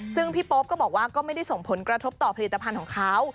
ซึ่งพี่โป๊ปก็บอกว่าก็ไม่ได้ส่งผลกระทบต่อผลิตภัณฑ์ของเขา